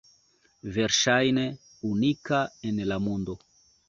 Verŝajne unika en la mondo!